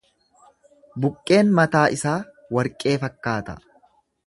Buqqeen mataa isaa warqee fakkaata.